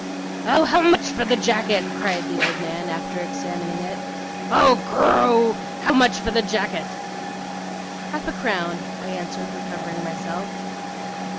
'Oh, how much for the jacket?' cried the old man, after examining it. 'Oh goroo! how much for the jacket?' 'Half a crown,' I answered, recovering myself.